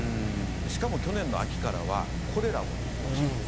しかも、去年の秋からはコレラも流行している。